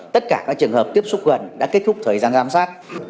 tất cả các trường hợp tiếp xúc gần đã kết thúc thời gian giám sát